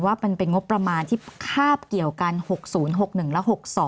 ว่ามันเป็นงบประมาณที่คาบเกี่ยวกัน๖๐๖๑และ๖๒